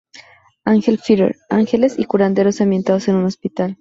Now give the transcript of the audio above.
Angel Feather: Ángeles y curanderos ambientados en un hospital.